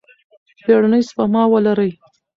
بیړنۍ سپما ولرئ.